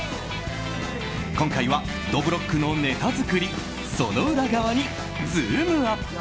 今回は、どぶろっくのネタ作りその裏側にズームＵＰ！